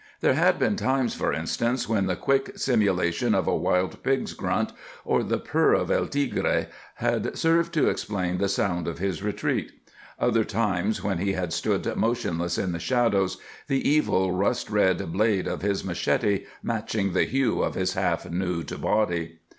There had been times, for instance, when the quick simulation of a wild pig's grunt or the purr of el tigre had served to explain the sound of his retreat; other times when he had stood motionless in the shadows, the evil rust red blade of his machete matching the hue of his half nude body.